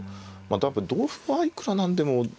あ多分同歩はいくら何でも。